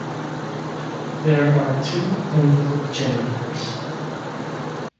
There are two envelope generators.